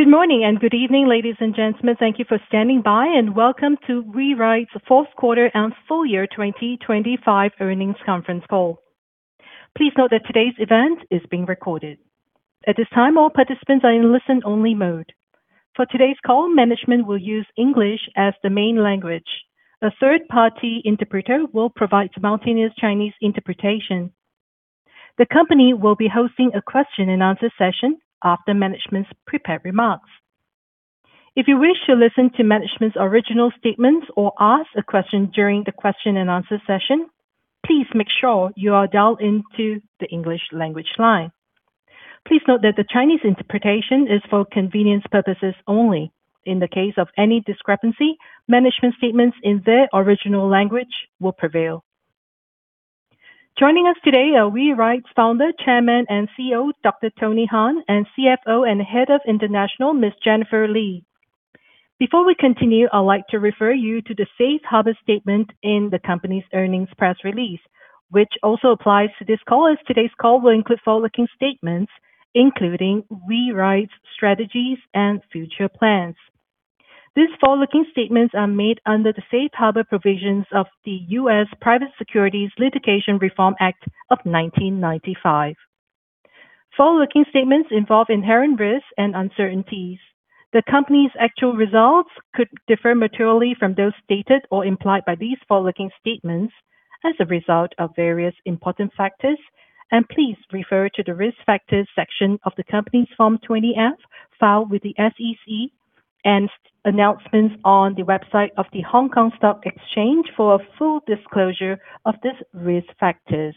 Good morning and good evening, ladies and gentlemen. Thank you for standing by, and welcome to WeRide's Q4 and Full Year 2025 Earnings Conference Call. Please note that today's event is being recorded. At this time, all participants are in listen-only mode. For today's call, management will use English as the main language. A third-party interpreter will provide simultaneous Chinese interpretation. The company will be hosting a question-and-answer session after management's prepared remarks. If you wish to listen to management's original statements or ask a question during the question-and-answer session, please make sure you are dialed into the English language line. Please note that the Chinese interpretation is for convenience purposes only. In the case of any discrepancy, management statements in their original language will prevail. Joining us today are WeRide's Founder, Chairman and CEO, Dr. Tony Han, and CFO and Head of International, Ms. Jennifer Li. Before we continue, I'd like to refer you to the safe harbor statement in the company's earnings press release, which also applies to this call, as today's call will include forward-looking statements, including WeRide's strategies and future plans. These forward-looking statements are made under the safe harbor provisions of the U.S. Private Securities Litigation Reform Act of 1995. Forward-looking statements involve inherent risks and uncertainties. The company's actual results could differ materially from those stated or implied by these forward-looking statements as a result of various important factors, and please refer to the Risk Factors section of the company's Form 20-F filed with the SEC and announcements on the website of the Hong Kong Stock Exchange for a full disclosure of these risk factors.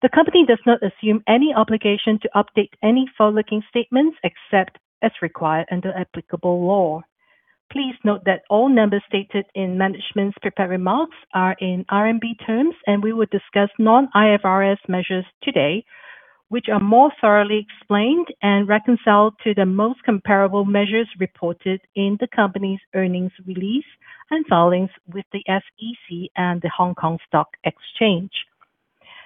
The company does not assume any obligation to update any forward-looking statements except as required under applicable law. Please note that all numbers stated in management's prepared remarks are in RMB terms, and we will discuss non-IFRS measures today, which are more thoroughly explained and reconciled to the most comparable measures reported in the company's earnings release and filings with the SEC and the Hong Kong Stock Exchange.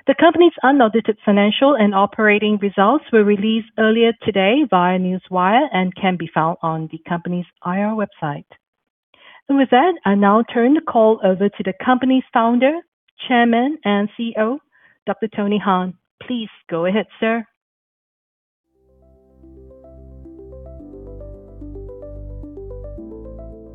The company's unaudited financial and operating results were released earlier today via Newswire and can be found on the company's IR website. With that, I now turn the call over to the company's Founder, Chairman and CEO, Dr. Tony Han. Please go ahead, sir.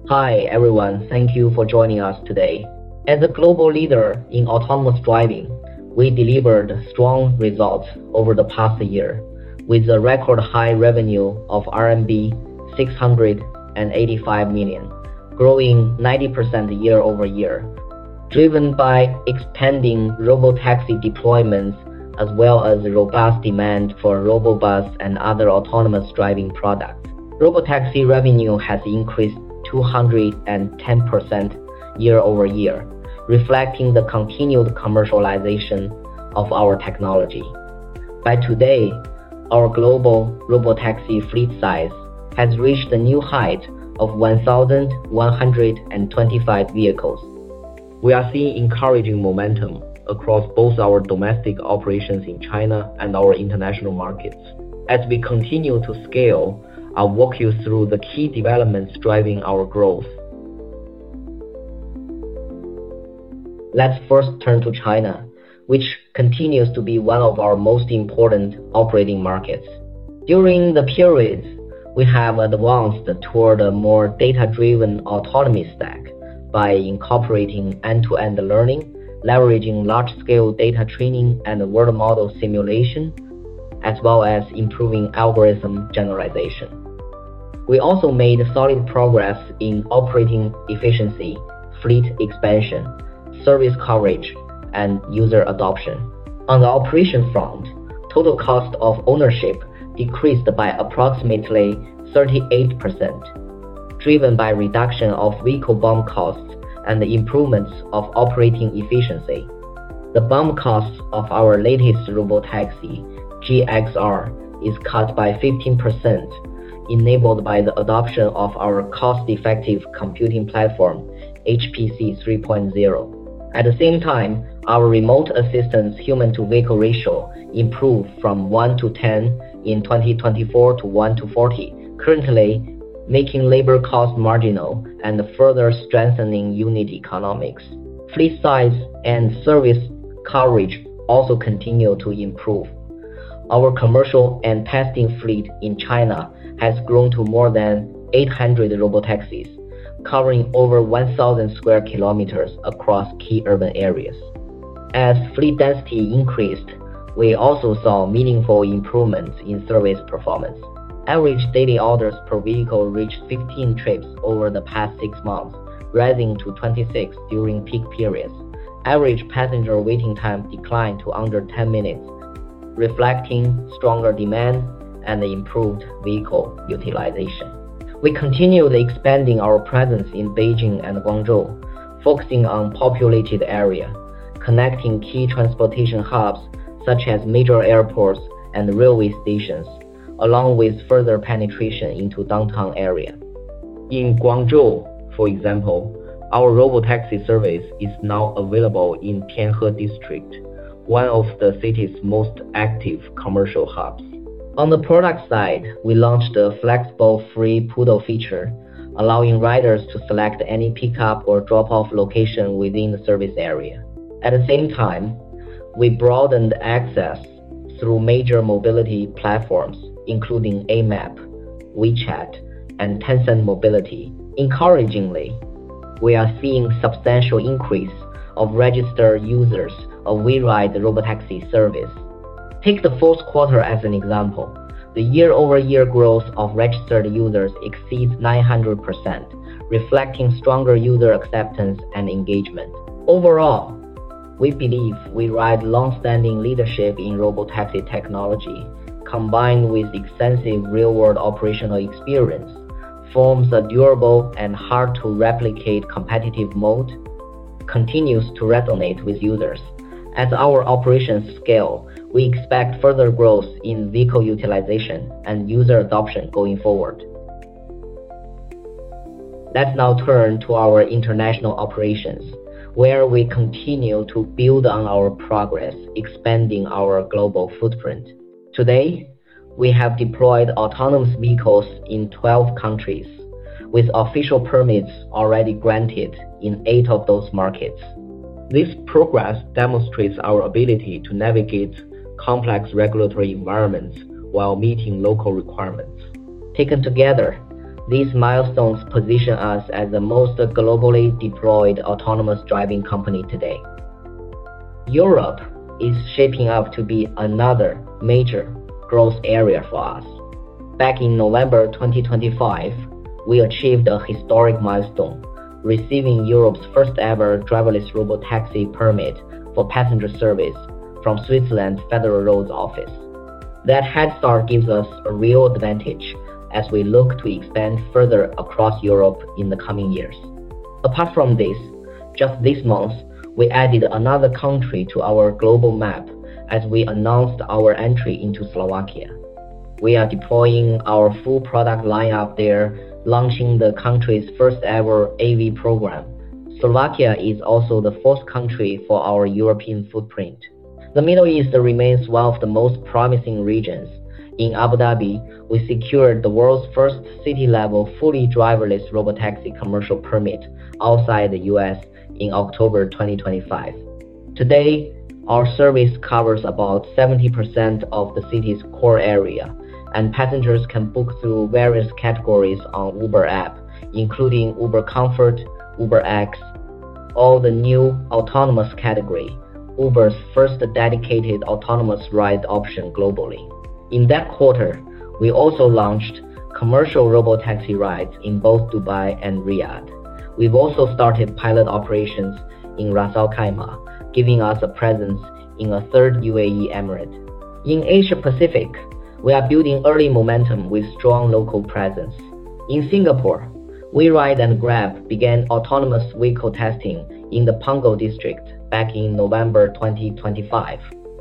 Hi, everyone. Thank you for joining us today. As a global leader in autonomous driving, we delivered strong results over the past year with a record high revenue of RMB 685 million, growing 90% year-over-year, driven by expanding Robotaxi deployments as well as robust demand for Robobus and other autonomous driving products. Robotaxi revenue has increased 210% year-over-year, reflecting the continued commercialization of our technology. By today, our global Robotaxi fleet size has reached a new height of 1,125 vehicles. We are seeing encouraging momentum across both our domestic operations in China and our international markets. As we continue to scale, I'll walk you through the key developments driving our growth. Let's first turn to China, which continues to be one of our most important operating markets. During the periods, we have advanced toward a more data-driven autonomy stack by incorporating end-to-end learning, leveraging large-scale data training and world model simulation, as well as improving algorithm generalization. We also made solid progress in operating efficiency, fleet expansion, service coverage, and user adoption. On the operation front, total cost of ownership decreased by approximately 38%, driven by reduction of vehicle BOM costs and the improvements of operating efficiency. The BOM costs of our latest Robotaxi, GXR, is cut by 15%, enabled by the adoption of our cost-effective computing platform, HPC 3.0. At the same time, our remote assistance human-to-vehicle ratio improved from one to 10 in 2024 to one to 40, currently making labor costs marginal and further strengthening unit economics. Fleet size and service coverage also continue to improve. Our commercial and testing fleet in China has grown to more than 800 Robotaxis, covering over 1,000 sq km across key urban areas. As fleet density increased, we also saw meaningful improvements in service performance. Average daily orders per vehicle reached 15 trips over the past six months, rising to 26 during peak periods. Average passenger waiting time declined to under 10 minutes, reflecting stronger demand and improved vehicle utilization. We continued expanding our presence in Beijing and Guangzhou, focusing on populated area, connecting key transportation hubs such as major airports and railway stations, along with further penetration into downtown area. In Guangzhou, for example, our Robotaxi service is now available in Tianhe District, one of the city's most active commercial hubs. On the product side, we launched a flexible pick-up and drop-off feature, allowing riders to select any pickup or drop-off location within the service area. At the same time, we broadened access through major mobility platforms, including Amap, WeChat, and Tencent Mobility. Encouragingly, we are seeing substantial increase of registered users of WeRide Robotaxi service. Take the fourth quarter as an example. The year-over-year growth of registered users exceeds 900%, reflecting stronger user acceptance and engagement. Overall, we believe WeRide's long-standing leadership in Robotaxi technology, combined with extensive real-world operational experience, forms a durable and hard-to-replicate competitive moat, continues to resonate with users. As our operations scale, we expect further growth in vehicle utilization and user adoption going forward. Let's now turn to our international operations, where we continue to build on our progress expanding our global footprint. Today, we have deployed autonomous vehicles in 12 countries, with official permits already granted in eight of those markets. This progress demonstrates our ability to navigate complex regulatory environments while meeting local requirements. Taken together, these milestones position us as the most globally deployed autonomous driving company today. Europe is shaping up to be another major growth area for us. Back in November 2025, we achieved a historic milestone, receiving Europe's first-ever driverless Robotaxi permit for passenger service from Switzerland's Federal Roads Office. That head start gives us a real advantage as we look to expand further across Europe in the coming years. Apart from this, just this month, we added another country to our global map as we announced our entry into Slovakia. We are deploying our full product lineup there, launching the country's first-ever AV program. Slovakia is also the fourth country for our European footprint. The Middle East remains one of the most promising regions. In Abu Dhabi, we secured the world's first city-level, fully driverless Robotaxi commercial permit outside the U.S. in October 2025. Today, our service covers about 70% of the city's core area, and passengers can book through various categories on Uber app, including Uber Comfort, UberX, or the new autonomous category, Uber's first dedicated autonomous ride option globally. In that quarter, we also launched commercial Robotaxi rides in both Dubai and Riyadh. We've also started pilot operations in Ras Al-Khaimah, giving us a presence in a third UAE Emirate. In Asia Pacific, we are building early momentum with strong local presence. In Singapore, WeRide and Grab began autonomous vehicle testing in the Punggol district back in November 2025.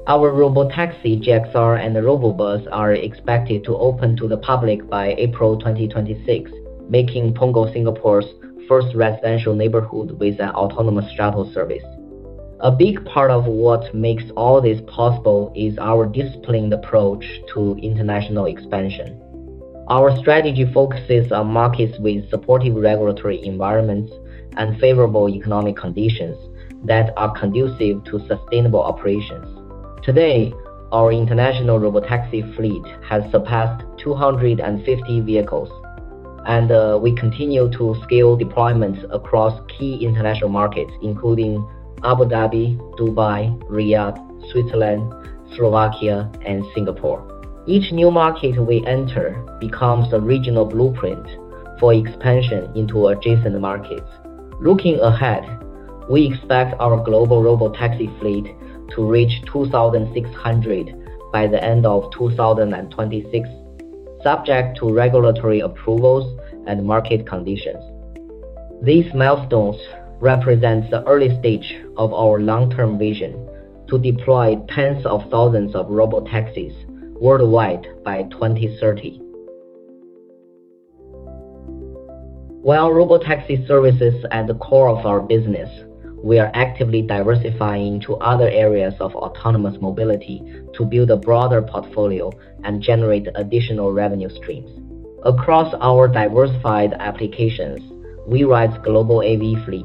Our Robotaxi GXR, and the Robobus are expected to open to the public by April 2026, making Punggol Singapore's first residential neighborhood with an autonomous shuttle service. A big part of what makes all this possible is our disciplined approach to international expansion. Our strategy focuses on markets with supportive regulatory environments and favorable economic conditions that are conducive to sustainable operations. Today, our international Robotaxi fleet has surpassed 250 vehicles, and we continue to scale deployments across key international markets, including Abu Dhabi, Dubai, Riyadh, Switzerland, Slovakia, and Singapore. Each new market we enter becomes the regional blueprint for expansion into adjacent markets. Looking ahead, we expect our global Robotaxi fleet to reach 2,600 by the end of 2026, subject to regulatory approvals and market conditions. These milestones represent the early stage of our long-term vision to deploy tens of thousands of Robotaxis worldwide by 2030. While Robotaxi service is at the core of our business, we are actively diversifying to other areas of autonomous mobility to build a broader portfolio and generate additional revenue streams. Across our diversified applications, WeRide's global AV fleet,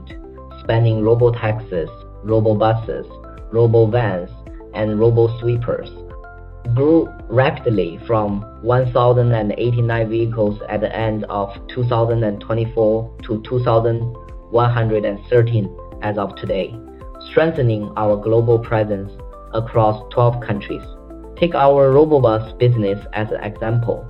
spanning Robotaxis, Robobuses, Robovans, and Robosweepers, grew rapidly from 1,089 vehicles at the end of 2024 to 2,113 as of today, strengthening our global presence across 12 countries. Take our Robobus business as an example.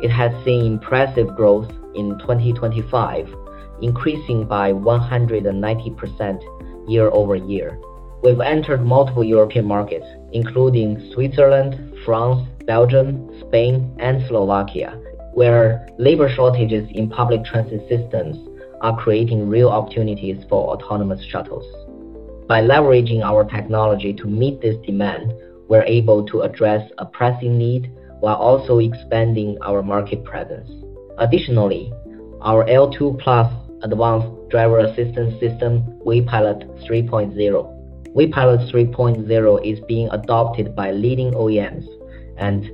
It has seen impressive growth in 2025, increasing by 190% year-over-year. We've entered multiple European markets, including Switzerland, France, Belgium, Spain, and Slovakia, where labor shortages in public transit systems are creating real opportunities for autonomous shuttles. By leveraging our technology to meet this demand, we're able to address a pressing need while also expanding our market presence. Additionally, our L2+ advanced driver assistance system, WePilot 3.0, is being adopted by leading OEMs and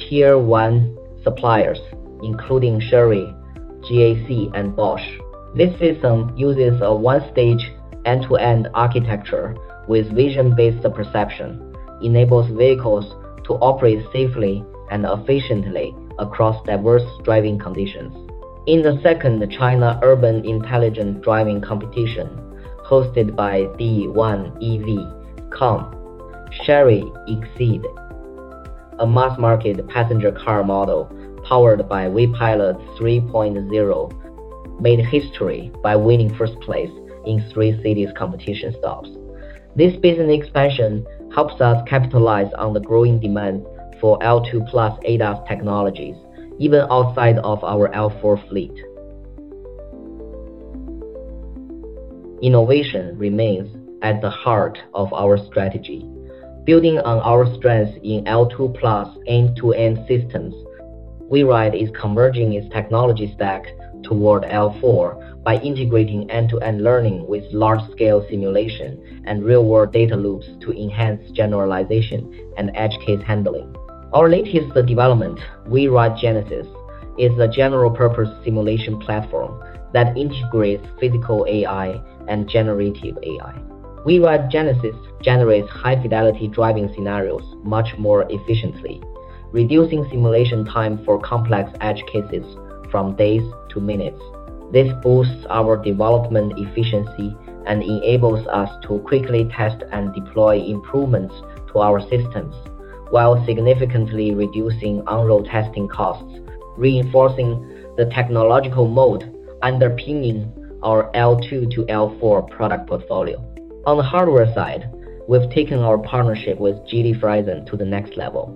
tier-one suppliers, including Chery, GAC, and Bosch. This system uses a one-stage end-to-end architecture with vision-based perception, which enables vehicles to operate safely and efficiently across diverse driving conditions. In the second China Urban Intelligent Driving Competition, hosted by D1EV.com, Chery EXEED, a mass-market passenger car model powered by WePilot 3.0, made history by winning first place in three cities competition stops. This business expansion helps us capitalize on the growing demand for L2+ ADAS technologies, even outside of our L4 fleet. Innovation remains at the heart of our strategy. Building on our strength in L2+ end-to-end systems, WeRide is converging its technology stack toward L4 by integrating end-to-end learning with large-scale simulation and real-world data loops to enhance generalization and edge case handling. Our latest development, WeRide GENESIS, is a general-purpose simulation platform that integrates physical AI and generative AI. WeRide GENESIS generates high-fidelity driving scenarios much more efficiently, reducing simulation time for complex edge cases from days to minutes. This boosts our development efficiency and enables us to quickly test and deploy improvements to our systems while significantly reducing on-road testing costs, reinforcing the technological moat underpinning our L2 to L4 product portfolio. On the hardware side, we've taken our partnership with Geely Farizon to the next level.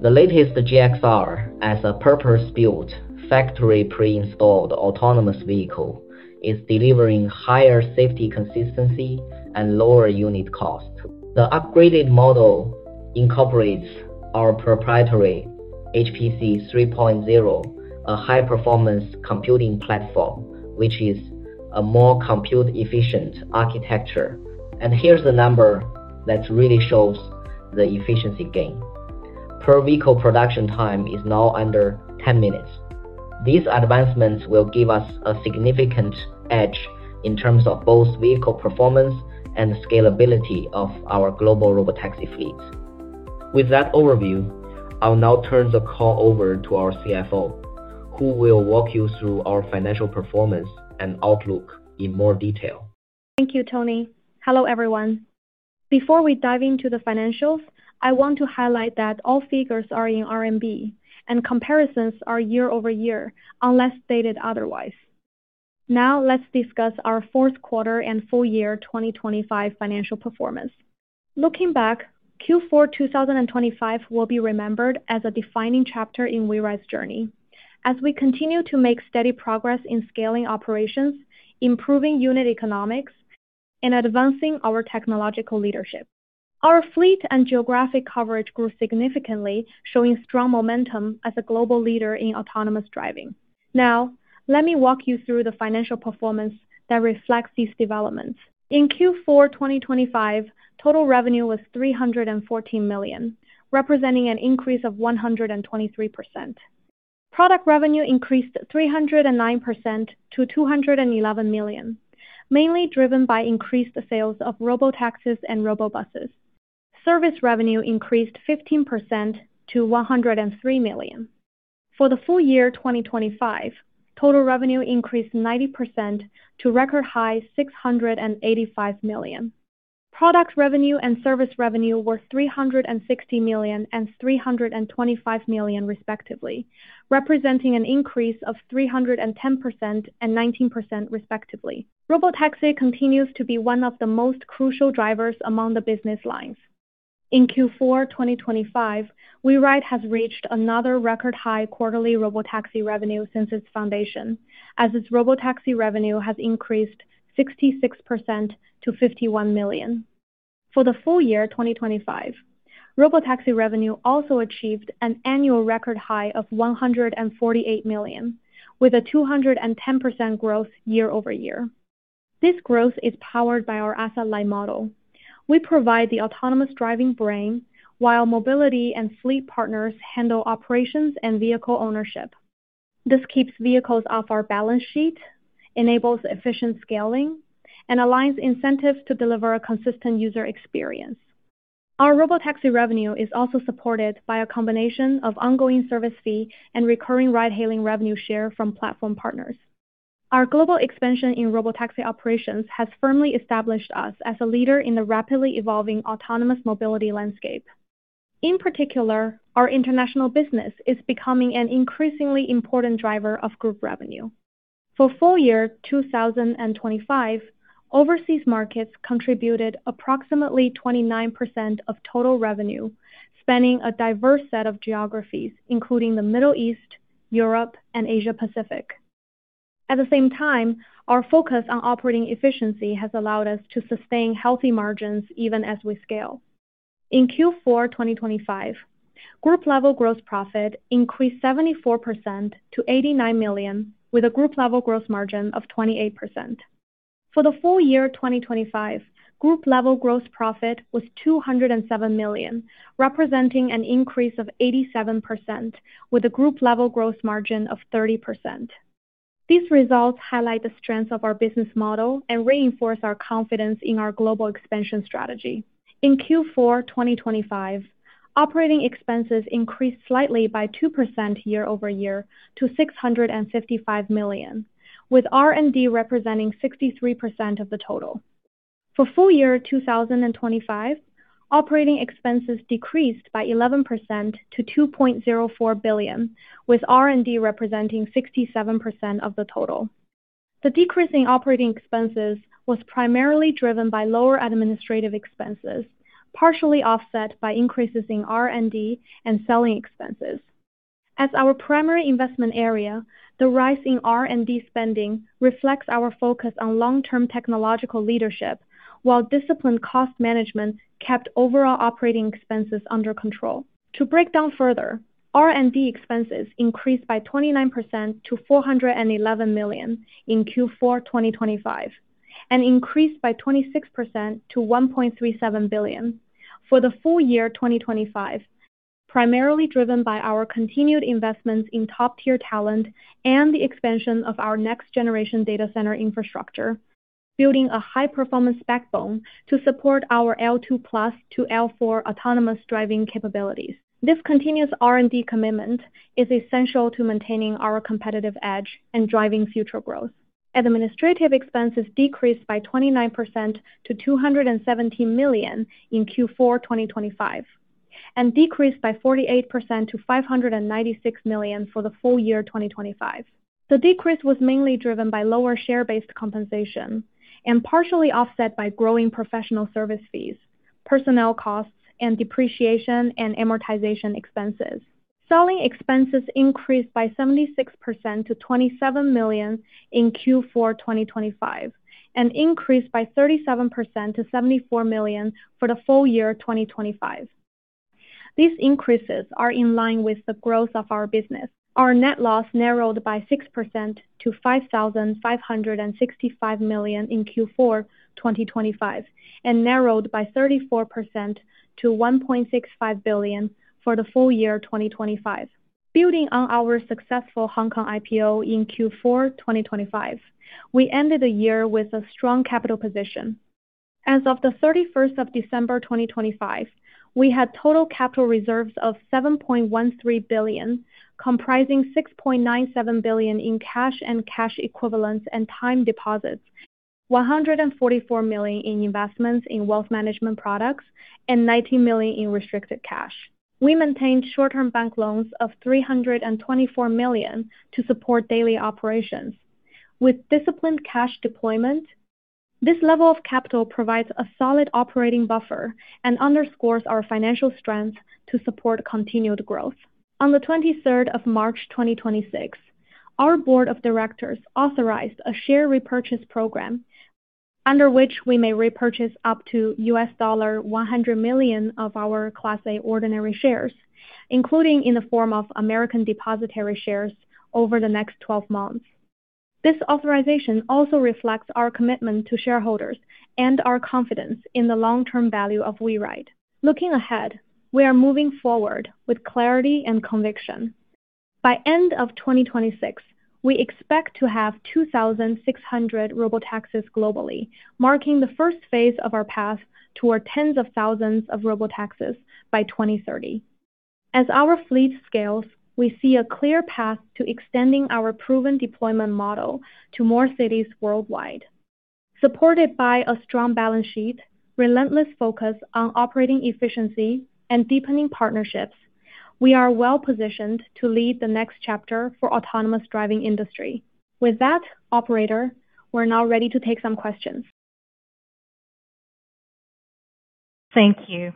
The latest GXR, as a purpose-built, factory pre-installed autonomous vehicle, is delivering higher safety consistency and lower unit cost. The upgraded model incorporates our proprietary HPC 3.0, a high-performance computing platform, which is a more compute-efficient architecture. Here's the number that really shows the efficiency gain. Per vehicle production time is now under 10 minutes. These advancements will give us a significant edge in terms of both vehicle performance and scalability of our global Robotaxi fleets. With that overview, I'll now turn the call over to our CFO, who will walk you through our financial performance and outlook in more detail. Thank you, Tony. Hello, everyone. Before we dive into the financials, I want to highlight that all figures are in RMB and comparisons are year-over-year, unless stated otherwise. Now let's discuss our fourth quarter and full year 2025 financial performance. Looking back, Q4 2025 will be remembered as a defining chapter in WeRide's journey. As we continue to make steady progress in scaling operations, improving unit economics, and advancing our technological leadership. Our fleet and geographic coverage grew significantly, showing strong momentum as a global leader in autonomous driving. Now, let me walk you through the financial performance that reflects these developments. In Q4 2025, total revenue was 314 million, representing an increase of 123%. Product revenue increased 309% to 211 million, mainly driven by increased sales of Robotaxis and Robobuses. Service revenue increased 15% to 103 million. For the full year 2025, total revenue increased 90% to a record high 685 million. Product revenue and service revenue were 360 million and 325 million, respectively, representing an increase of 310% and 19%, respectively. Robotaxi continues to be one of the most crucial drivers among the business lines. In Q4 2025, WeRide has reached another record-high quarterly Robotaxi revenue since its foundation, as its Robotaxi revenue has increased 66% to 51 million. For the full year 2025, Robotaxi revenue also achieved an annual record high of 148 million, with a 210% growth year-over-year. This growth is powered by our asset-light model. We provide the autonomous driving brain while mobility and fleet partners handle operations and vehicle ownership. This keeps vehicles off our balance sheet, enables efficient scaling, and aligns incentives to deliver a consistent user experience. Our Robotaxi revenue is also supported by a combination of ongoing service fee and recurring ride-hailing revenue share from platform partners. Our global expansion in Robotaxi operations has firmly established us as a leader in the rapidly evolving autonomous mobility landscape. In particular, our international business is becoming an increasingly important driver of group revenue. For full year 2025, overseas markets contributed approximately 29% of total revenue, spanning a diverse set of geographies, including the Middle East, Europe, and Asia Pacific. At the same time, our focus on operating efficiency has allowed us to sustain healthy margins even as we scale. In Q4 2025, group level gross profit increased 74% to 89 million, with a group level gross margin of 28%. For the full year 2025, group level gross profit was 207 million, representing an increase of 87% with a group level gross margin of 30%. These results highlight the strength of our business model and reinforce our confidence in our global expansion strategy. In Q4 2025, operating expenses increased slightly by 2% year-over-year to 655 million, with R&D representing 63% of the total. For full year 2025, operating expenses decreased by 11% to 2.04 billion, with R&D representing 67% of the total. The decrease in operating expenses was primarily driven by lower administrative expenses, partially offset by increases in R&D and selling expenses. As our primary investment area, the rise in R&D spending reflects our focus on long-term technological leadership, while disciplined cost management kept overall operating expenses under control. To break down further, R&D expenses increased by 29% to 411 million in Q4 2025, and increased by 26% to 1.37 billion for the full year 2025, primarily driven by our continued investments in top-tier talent and the expansion of our next generation data center infrastructure, building a high-performance backbone to support our L2+ to L4 autonomous driving capabilities. This continuous R&D commitment is essential to maintaining our competitive edge and driving future growth. Administrative expenses decreased by 29% to 217 million in Q4 2025, and decreased by 48% to 596 million for the full year 2025. The decrease was mainly driven by lower share-based compensation and partially offset by growing professional service fees, personnel costs, and depreciation and amortization expenses. Selling expenses increased by 76% to 27 million in Q4 2025, and increased by 37% to 74 million for the full year 2025. These increases are in line with the growth of our business. Our net loss narrowed by 6% to 5,565 million in Q4 2025, and narrowed by 34% to 1.65 billion for the full year 2025. Building on our successful Hong Kong IPO in Q4 2025, we ended the year with a strong capital position. As of 31st December 2025, we had total capital reserves of 7.13 billion, comprising 6.97 billion in cash and cash equivalents and time deposits, 144 million in investments in wealth management products, and 19 million in restricted cash. We maintained short-term bank loans of 324 million to support daily operations. With disciplined cash deployment, this level of capital provides a solid operating buffer and underscores our financial strength to support continued growth. On March 23, 2026, our board of directors authorized a share repurchase program under which we may repurchase up to $100 million of our Class A ordinary shares, including in the form of American depository shares over the next twelve months. This authorization also reflects our commitment to shareholders and our confidence in the long-term value of WeRide. Looking ahead, we are moving forward with clarity and conviction. By end of 2026, we expect to have 2,600 Robotaxis globally, marking the first phase of our path toward tens of thousands of Robotaxis by 2030. As our fleet scales, we see a clear path to extending our proven deployment model to more cities worldwide. Supported by a strong balance sheet, relentless focus on operating efficiency and deepening partnerships, we are well-positioned to lead the next chapter for autonomous driving industry. With that, operator, we're now ready to take some questions. Thank you.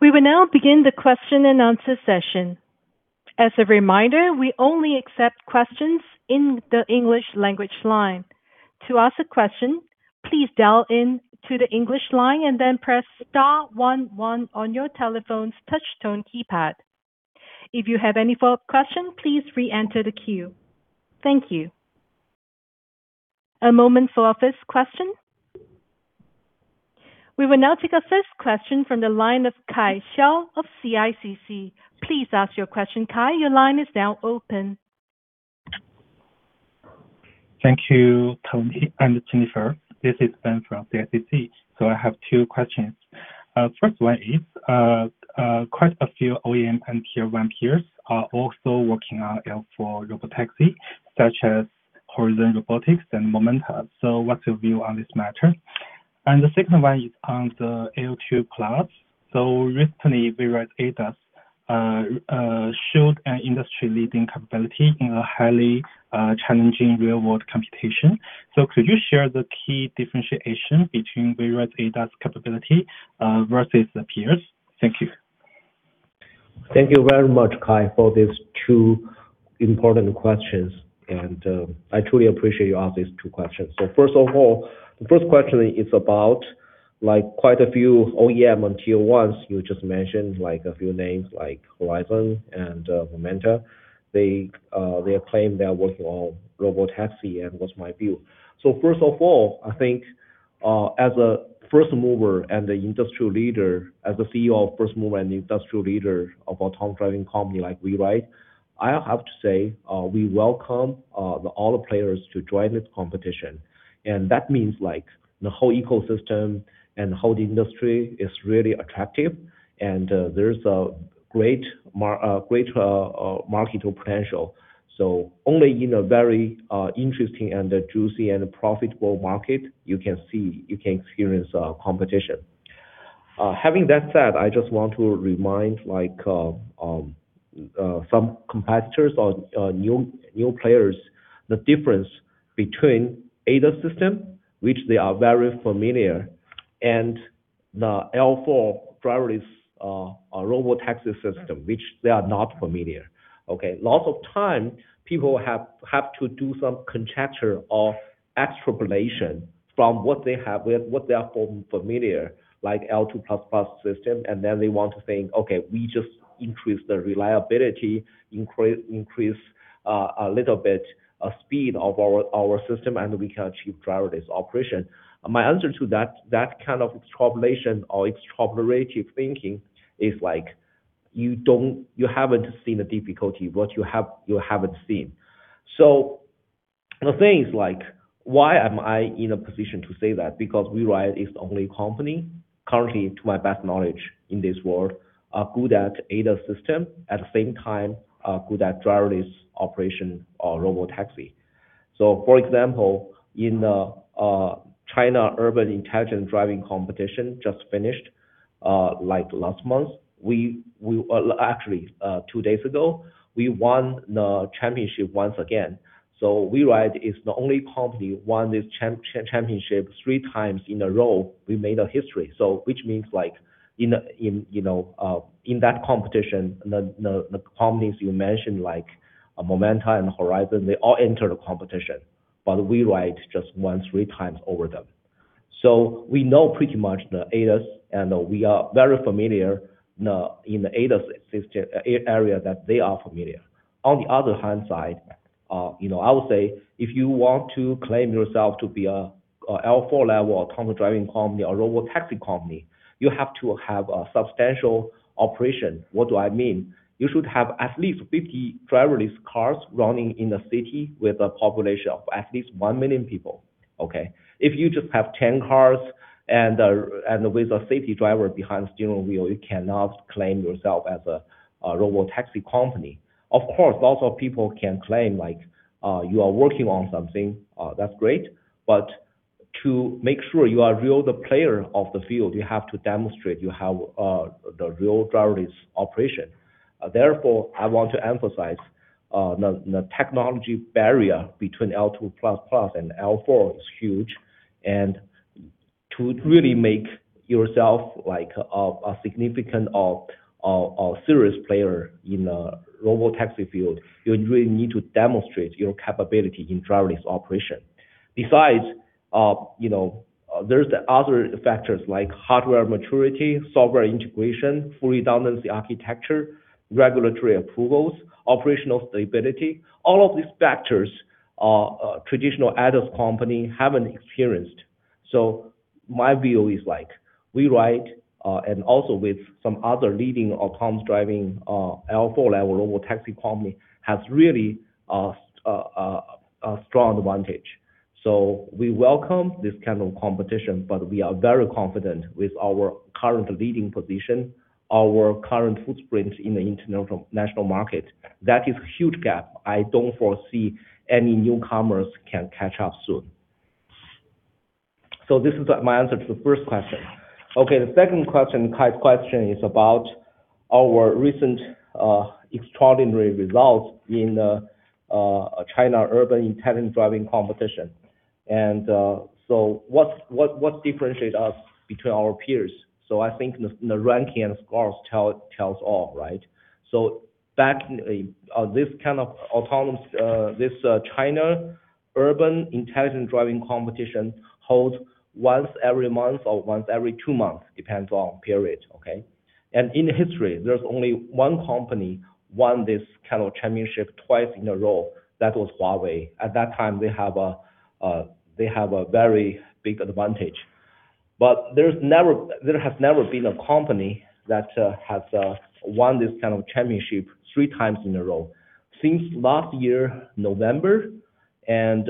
We will now begin the question and answer session. As a reminder, we only accept questions in the English language line. To ask a question, please dial in to the English line and then press star one one on your telephone's touch tone keypad. If you have any follow-up question, please re-enter the queue. Thank you. A moment for our first question. We will now take our first question from the line of Kai Xiao of CICC. Please ask your question. Kai, your line is now open. Thank you, Tony and Jennifer. This is Ben from CICC. I have two questions. First one is, quite a few OEM and tier one peers are also working on L4 Robotaxi, such as Horizon Robotics and Momenta. What's your view on this matter? The second one is on the L2 clouds. Recently, WePilot AiDrive showed an industry-leading capability in a highly challenging real-world computation. Could you share the key differentiation between WePilot AiDrive's capability versus the peers? Thank you. Thank you very much, Kai, for these two important questions, and I truly appreciate you ask these two questions. First of all, the first question is about like quite a few OEM and tier ones you just mentioned, like a few names like Horizon and Momenta. They claim they are working on robot taxi, and what's my view. First of all, I think, as a first mover and the industrial leader, as the CEO of first mover and industrial leader of autonomous driving company like WeRide, I have to say, we welcome all the players to join this competition. That means like the whole ecosystem and the whole industry is really attractive and there's a great market or potential. Only in a very interesting and juicy and profitable market you can see, you can experience competition. Having that said, I just want to remind like some competitors or new players the difference between ADAS system, which they are very familiar, and the L4 driverless robot taxi system, which they are not familiar. Lots of time people have to do some conjecture of extrapolation from what they have with what they are familiar, like L2++ system, and then they want to think, "Okay, we just increase the reliability, increase a little bit of speed of our system, and we can achieve driverless operation." My answer to that kind of extrapolation or extrapolative thinking is like, you haven't seen the difficulty, what you have, you haven't seen. The thing is like, why am I in a position to say that? Because WeRide is the only company currently, to my best knowledge, in this world, good at ADAS system, at the same time, good at driverless operation or Robotaxi. For example, in China Urban Intelligent Driving Competition just finished, like last month. Actually, two days ago, we won the championship once again. WeRide is the only company won this championship three times in a row. We made a history. Which means, like, in, you know, in that competition, the companies you mentioned, like Momenta and Horizon, they all entered the competition, but WeRide just won three times over them. We know pretty much the ADAS, and we are very familiar now in the ADAS area that they are familiar. On the other hand side, you know, I would say if you want to claim yourself to be a L4 level autonomous driving company or robot taxi company, you have to have a substantial operation. What do I mean? You should have at least 50 driverless cars running in a city with a population of at least 1 million people. If you just have 10 cars and with a safety driver behind the steering wheel, you cannot claim yourself as a robot taxi company. Of course, lots of people can claim, like, you are working on something that's great, but to make sure you are real player of the field, you have to demonstrate you have the real driverless operation. Therefore, I want to emphasize the technology barrier between L2++ and L4 is huge, and to really make yourself like a significant or serious player in the Robotaxi field, you really need to demonstrate your capability in driverless operation. Besides, you know, there's the other factors like hardware maturity, software integration, full redundancy architecture, regulatory approvals, operational stability. All of these factors are traditional ADAS companies haven't experienced. My view is like, WeRide and also with some other leading autonomous driving L4-level Robotaxi company has really a strong advantage. We welcome this kind of competition, but we are very confident with our current leading position, our current footprint in the international market. That is huge gap. I don't foresee any newcomers can catch up soon. This is my answer to the first question. Okay, the second question, Kai's question, is about our recent extraordinary results in China Urban Intelligent Driving Competition. What differentiates us between our peers? I think the ranking and scores tells all, right? Back in, this kind of autonomous China Urban Intelligent Driving Competition hold once every month or once every two months, depends on period. Okay? In the history, there's only one company won this kind of championship twice in a row. That was Huawei. At that time, they have a very big advantage. There's never been a company that has won this kind of championship 3x in a row. Since last year November and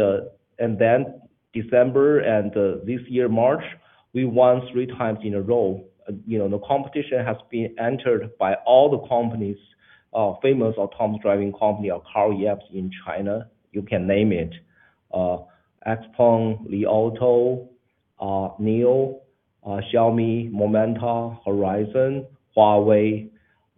then December and this year March, we won three times in a row. You know, the competition has been entered by all the companies, famous autonomous driving company or car apps in China. You can name it, XPeng, Li Auto, NIO, Xiaomi, Momenta, Horizon, Huawei,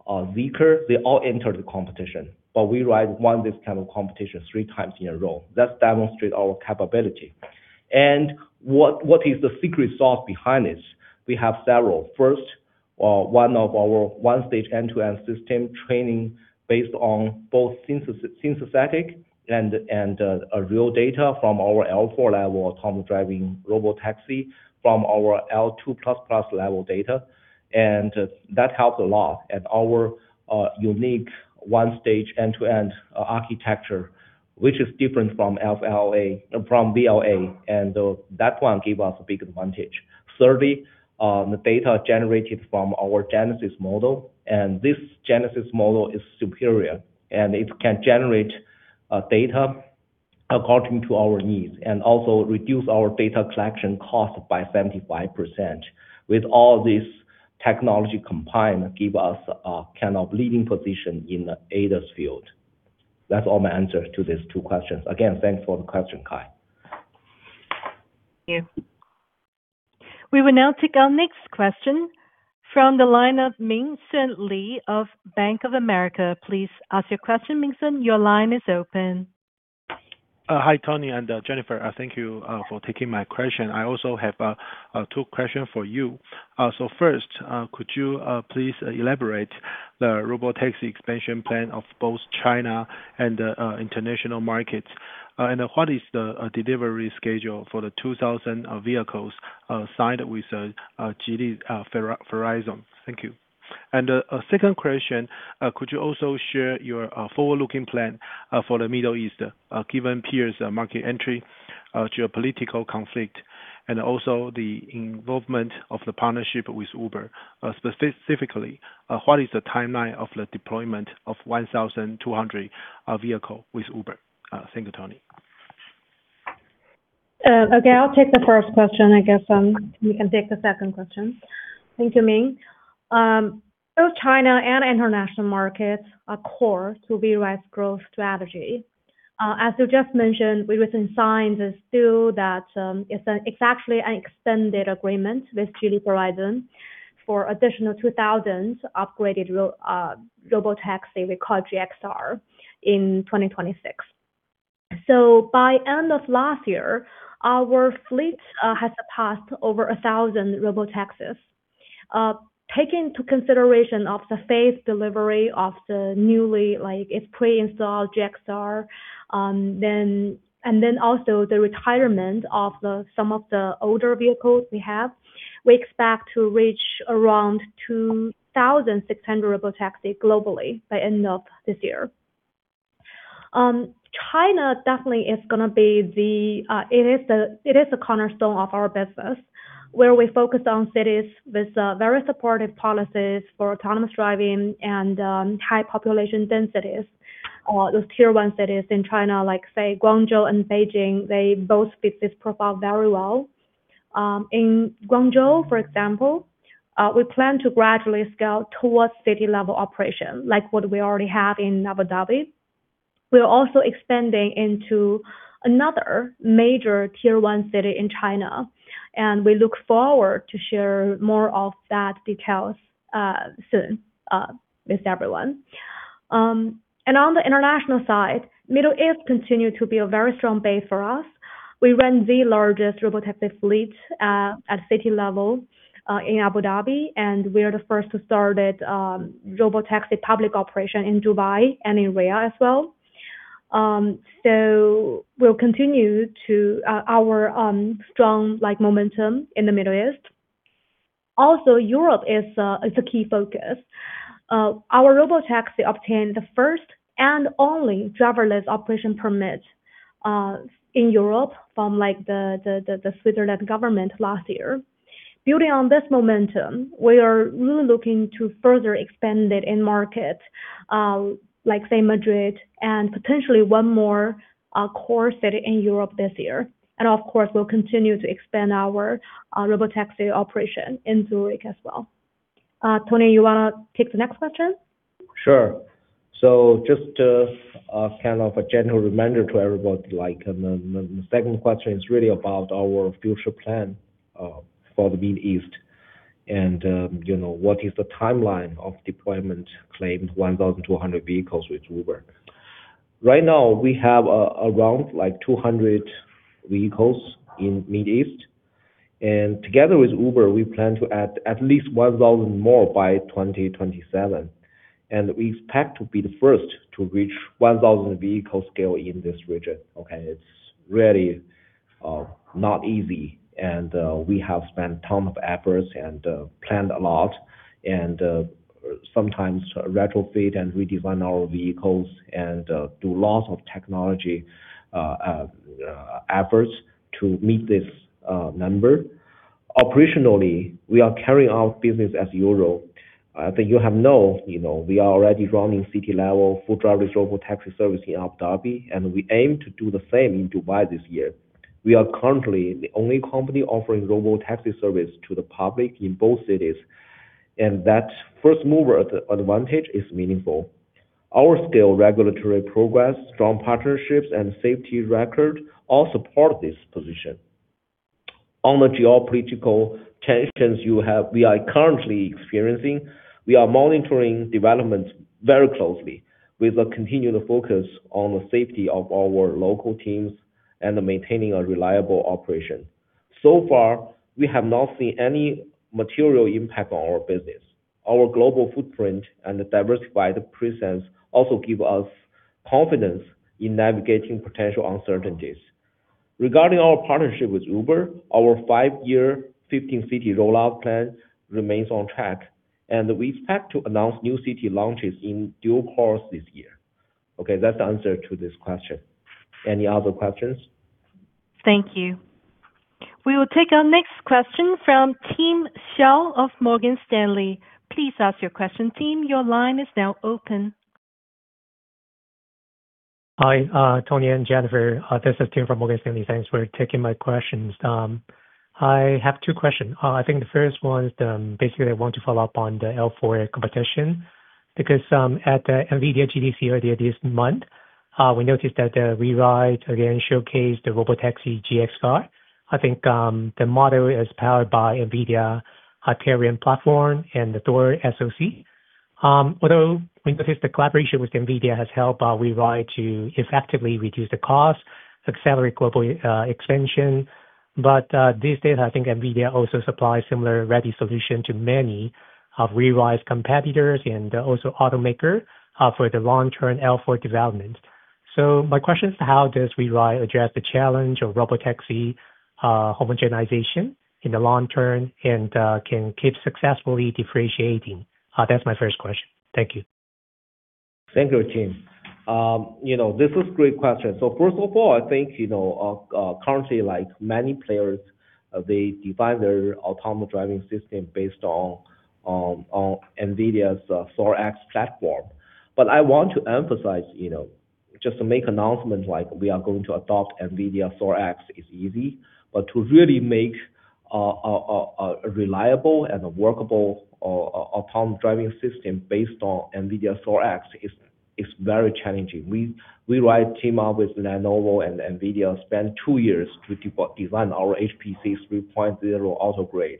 Zeekr. They all entered the competition, but WeRide won this kind of competition three times in a row. That demonstrate our capability. What is the secret sauce behind this? We have several. First, one of our one-stage end-to-end system training based on both synthetic and real data from our L4 level autonomous driving Robotaxi, from our L2++ level data. That helps a lot. Our unique one-stage end-to-end architecture, which is different from LLM, from VLA, and that one give us a big advantage. Thirdly, the data generated from our GENESIS model, and this GENESIS model is superior, and it can generate data according to our needs, and also reduce our data collection cost by 75%. With all this technology combined give us a kind of leading position in the ADAS field. That's all my answers to these two questions. Again, thanks for the question, Kai. Thank you. We will now take our next question from the line of Ming-Hsun Lee of Bank of America. Please ask your question, Ming-Hsun. Your line is open. Hi, Tony and Jennifer. Thank you for taking my question. I also have two questions for you. So first, could you please elaborate the Robotaxi expansion plan of both China and international markets? And what is the delivery schedule for the 2,000 vehicles signed with Geely Farizon? Thank you. Second question. Could you also share your forward-looking plan for the Middle East, given peers market entry, geopolitical conflict, and also the involvement of the partnership with Uber? Specifically, what is the timeline of the deployment of 1,200 vehicles with Uber? Thank you, Tony. Okay, I'll take the first question. I guess, you can take the second question. Thank you, Ming. Both China and international markets are core to WeRide's growth strategy. As you just mentioned, we recently signed a deal that it's actually an extended agreement with Geely Farizon for additional 2,000 upgraded Robotaxi we call GXR in 2026. By end of last year, our fleet has surpassed over 1,000 Robotaxis. Take into consideration of the phased delivery of the newly, like it's pre-installed GXR, then also the retirement of some of the older vehicles we have. We expect to reach around 2,600 Robotaxi globally by end of this year. China definitely is gonna be the cornerstone of our business, where we focus on cities with very supportive policies for autonomous driving and high population densities. Those tier one cities in China, like say Guangzhou and Beijing, they both fit this profile very well. In Guangzhou, for example, we plan to gradually scale towards city-level operation, like what we already have in Abu Dhabi. We are also expanding into another major tier one city in China, and we look forward to share more of that details soon with everyone. On the international side, Middle East continue to be a very strong base for us. We run the largest Robotaxi fleet at city level in Abu Dhabi, and we are the first to start Robotaxi public operation in Dubai and in Riyadh as well. So we'll continue to our strong, like, momentum in the Middle East. Also, Europe is a key focus. Our Robotaxi obtained the first and only driverless operation permit in Europe from the Swiss government last year. Building on this momentum, we are really looking to further expand it in markets like, say, Madrid and potentially one more core city in Europe this year. Of course, we'll continue to expand our Robotaxi operation in Zurich as well. Tony, you wanna take the next question? Sure. Just a kind of a general reminder to everybody, the second question is really about our future plan for the Middle East. You know, what is the timeline of deployment claimed 1,200 vehicles with Uber. Right now we have around 200 vehicles in Middle East. Together with Uber, we plan to add at least 1,000 more by 2027. We expect to be the first to reach 1,000-vehicle scale in this region. Okay. It's really not easy, and we have spent ton of efforts and planned a lot and sometimes retrofit and redesign our vehicles and do lots of technology efforts to meet this number. Operationally, we are carrying out business as usual. you know, we are already running city-level full driverless Robotaxi service in Abu Dhabi, and we aim to do the same in Dubai this year. We are currently the only company offering Robotaxi service to the public in both cities, and that first-mover advantage is meaningful. Our scale, regulatory progress, strong partnerships, and safety record all support this position. On the geopolitical tensions we are currently experiencing, we are monitoring developments very closely with a continued focus on the safety of our local teams and maintaining a reliable operation. So far, we have not seen any material impact on our business. Our global footprint and diversified presence also give us confidence in navigating potential uncertainties. Regarding our partnership with Uber, our five-year, 15-city rollout plan remains on track, and we expect to announce new city launches in due course this year. Okay, that's the answer to this question. Any other questions? Thank you. We will take our next question from Tim Hsiao of Morgan Stanley. Please ask your question, Tim. Your line is now open. Hi, Tony and Jennifer. This is Tim from Morgan Stanley. Thanks for taking my questions. I have two questions. I think the first one is, basically, I want to follow up on the L4 competition, because, at the NVIDIA GTC earlier this month, we noticed that, WeRide again showcased the Robotaxi GXR. I think, the model is powered by NVIDIA Hyperion platform and the Thor SoC. Although we noticed the collaboration with NVIDIA has helped, WeRide to effectively reduce the cost, accelerate global expansion. These days, I think NVIDIA also supplies similar ready solution to many of WeRide's competitors and also automaker, for the long-term L4 development. So my question is, how does WeRide address the challenge of Robotaxi homogenization in the long term and can keep successfully differentiating? That's my first question. Thank you. Thank you, Tim. You know, this is a great question. First of all, I think, you know, currently, like many players, they define their autonomous driving system based on NVIDIA's Thor platform. I want to emphasize, you know, just to make announcement like we are going to adopt NVIDIA Thor is easy, but to really make a reliable and workable autonomous driving system based on NVIDIA Thor is very challenging. WeRide team up with Lenovo and NVIDIA, spend two years to design our HPC 3.0 auto-grade.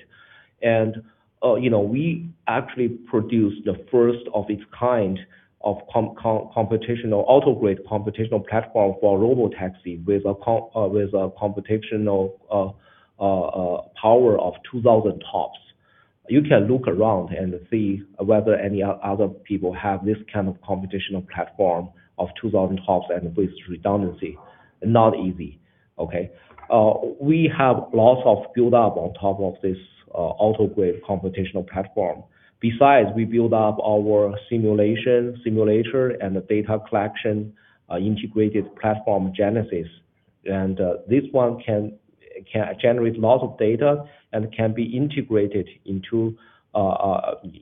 You know, we actually produced the first of its kind of computational auto-grade computational platform for robotaxi with a computational power of 2000 TOPS. You can look around and see whether any other people have this kind of computational platform of 2,000 TOPS and with redundancy. Not easy. Okay? We have lots of build-up on top of this auto-grade computational platform. Besides, we build up our simulation simulator and data collection integrated platform GENESIS. This one can generate lots of data and can be integrated into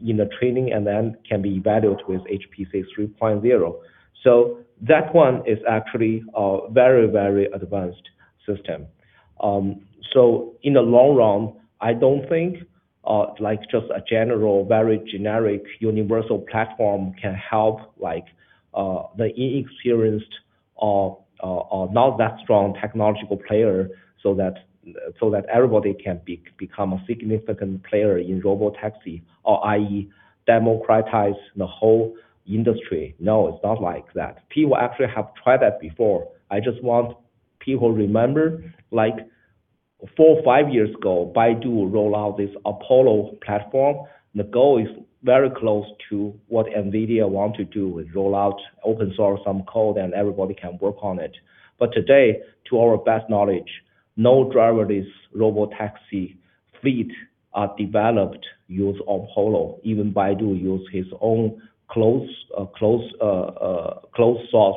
in a training and then can be evaluated with HPC 3.0. So that one is actually a very, very advanced system. In the long run, I don't think like just a general, very generic universal platform can help like the inexperienced or not that strong technological player so that everybody can become a significant player in Robotaxi or i.e., democratize the whole industry. No, it's not like that. People actually have tried that before. I just want people remember, like four or five years ago, Baidu roll out this Apollo platform. The goal is very close to what NVIDIA want to do with roll out open-source, some code, and everybody can work on it. Today, to our best knowledge, no driverless Robotaxi fleet developed using Apollo. Even Baidu uses its own closed-source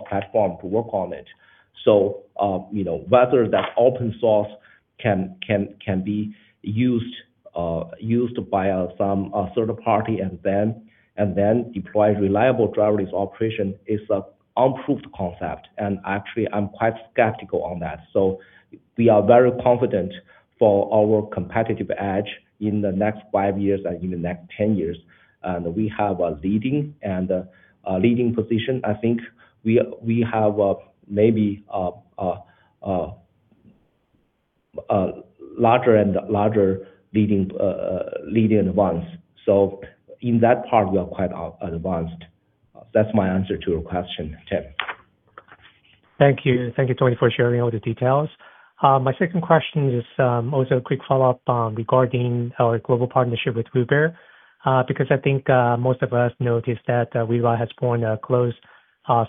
platform to work on it. You know, whether that open-source can be used by some third party and then deploy reliable driverless operation is an unproven concept, and actually I'm quite skeptical on that. We are very confident for our competitive edge in the next five years and in the next ten years. We have a leading position. I think we have maybe a larger and larger leading advance. In that part, we are quite advanced. That's my answer to your question, Tim. Thank you. Thank you, Tony, for sharing all the details. My second question is also a quick follow-up regarding our global partnership with Uber, because I think most of us noticed that WeRide has formed a close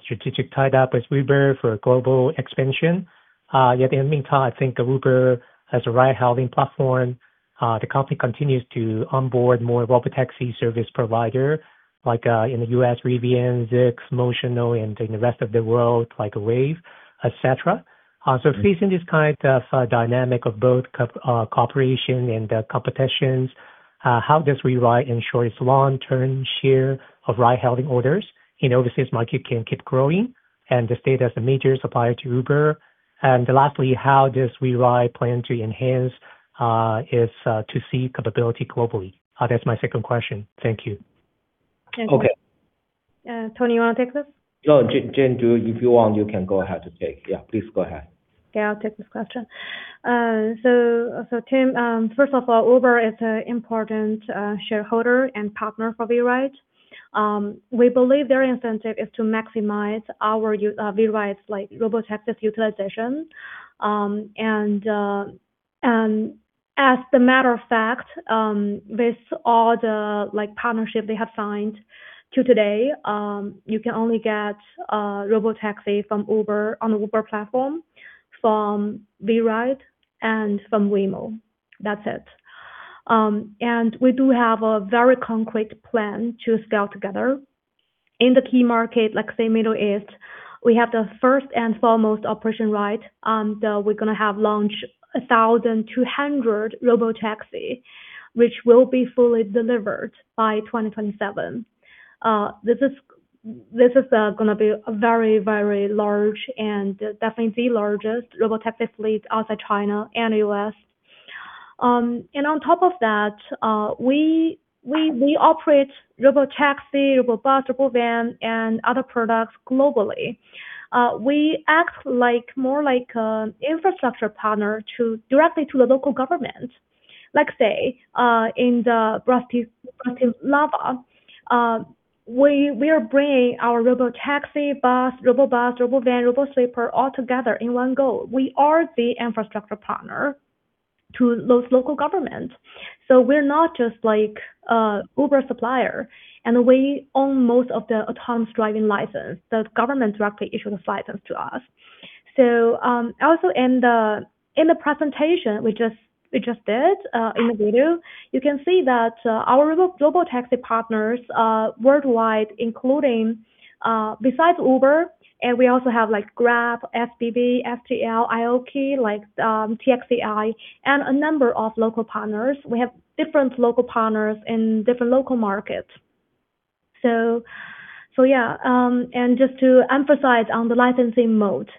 strategic tie-up with Uber for global expansion. Yet in the meantime, I think Uber has a ride-hailing platform. The company continues to onboard more Robotaxi service provider, like in the U.S., Rivian, Zoox, Motional, and in the rest of the world, like Wayve, etc. So facing this kind of dynamic of both cooperation and competitions, how does WeRide ensure its long-term share of ride-hailing orders in overseas market can keep growing and to stay as a major supplier to Uber? And lastly, how does WeRide plan to enhance its 2C capability globally? That's my second question. Thank you. Okay. Tony, you wanna take this? No, Jen, if you want, you can go ahead to take. Yeah, please go ahead. Yeah, I'll take this question. So, Tim, first of all, Uber is an important shareholder and partner for WeRide. We believe their incentive is to maximize our WeRide's like, Robotaxi utilization. As a matter of fact, with all the like, partnerships they have signed till today, you can only get Robotaxi from Uber on the Uber platform from WeRide and from Waymo. That's it. We do have a very concrete plan to scale together. In the key market, like say Middle East, we have the first and foremost operational ride that we're gonna launch 1,200 Robotaxis, which will be fully delivered by 2027. This is gonna be a very large and definitely the largest Robotaxi fleet outside China and U.S. On top of that, we operate Robotaxi, Robobus, Robovan, and other products globally. We act like more like an infrastructure partner directly to the local government. Like say, in Bratislava, we are bringing our Robotaxi, bus, Robobus, Robovan, Robosweeper all together in one go. We are the infrastructure partner to those local governments. We're not just like an Uber supplier, and we own most of the autonomous driving license. The government directly issue the license to us. Also in the presentation we just did, in the video, you can see that our Robotaxi partners worldwide, including, besides Uber, and we also have like Grab, FBB, FTL, ILK, like TXAI, and a number of local partners. We have different local partners in different local markets. To emphasize on the licensing mode,